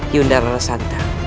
yunda rara santang